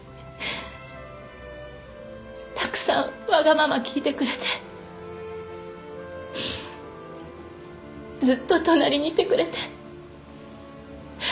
たくさんわがまま聞いてくれてずっと隣にいてくれて。